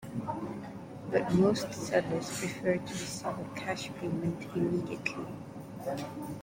But most sellers prefer to receive a cash payment immediately.